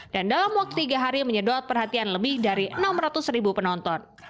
dan dalam waktu tiga hari menyedot perhatian lebih dari enam ratus ribu penonton